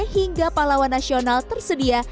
hingga pahlawan nasional tersedia